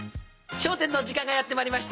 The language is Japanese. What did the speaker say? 『笑点』の時間がやってまいりました。